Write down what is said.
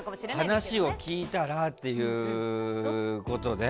話を聞いたらということで。